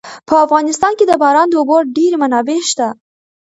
په افغانستان کې د باران د اوبو ډېرې منابع شته.